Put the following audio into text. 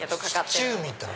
シチューみたい。